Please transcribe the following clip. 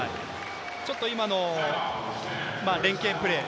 ちょっと今の連係プレー。